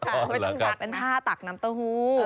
เพราะที่ชักเป็นท่าตักน้ำต้าหู้